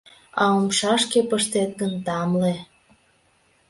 А умшашке пыштет гын — тамле.